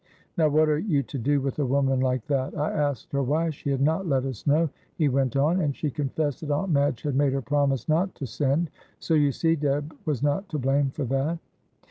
Now what are you to do with a woman like that? I asked her why she had not let us know," he went on, "and she confessed that Aunt Madge had made her promise not to send. So you see Deb was not to blame for that."